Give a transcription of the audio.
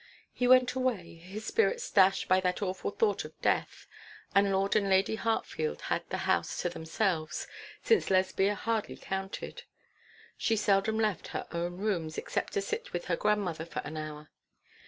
He went away, his spirits dashed by that awful thought of death, and Lord and Lady Hartfield had the house to themselves, since Lesbia hardly counted. She seldom left her own rooms, except to sit with her grandmother for an hour.